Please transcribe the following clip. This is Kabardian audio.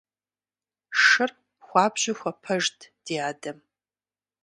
Шыр хуабжьу хуэпэжт ди адэм.